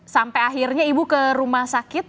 sampai akhirnya ibu ke rumah sakit